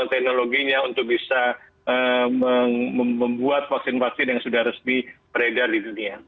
dan juga teknologinya untuk bisa membuat vaksin vaksin yang sudah resmi beredar di dunia